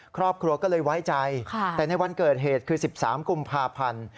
ครอบครัวก็เลยไว้ใจแต่ในวันเกิดเหตุคือ๑๓กุมภาพันธ์